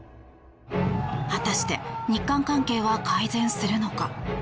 果たして、日韓関係は改善するのか。